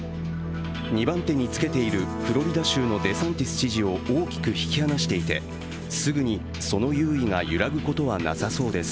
２番手につけているフロリダ州のデサンティス知事を大きく引き離していて、すぐにその優位が揺らぐことはなさそうです。